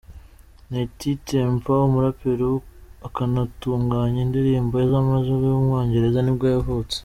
Tinie Tempah, umuraperi akanatunganya indirimbo z’amajwi w’umwongereza nibwo yavutse.